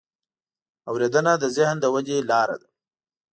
اورېدنه د ذهن د ودې لاره ده.